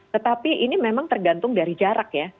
tetapi ini memang tergantung dari jarak ya